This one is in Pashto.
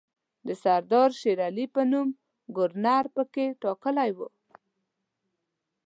د سردار شېرعلي په نوم ګورنر پکې ټاکلی وو.